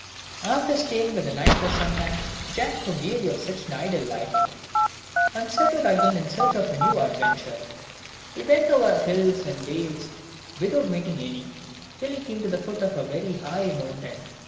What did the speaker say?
After staying with the knight for some time, Jack grew weary of such an idle life, and set out again in search of new adventures. He went over hills and dales without meeting any, till he came to the foot of a very high mountain.